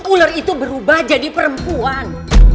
ular itu berubah jadi perempuan